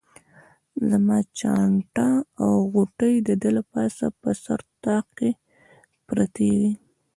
زما چانټه او غوټې د ده له پاسه په سر طاق کې پرتې وې.